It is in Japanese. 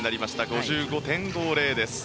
５５．５０です。